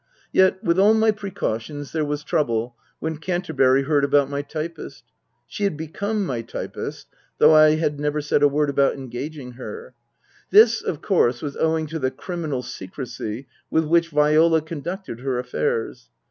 Yet, with all my precautions, there was trouble when Canterbury heard about my typist. (She had become my typist, though I had never said a word about engaging her.) This, of course, was owing to the criminal secrecy with which Viola conducted her affairs.